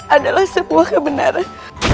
adalah sebuah kebenaran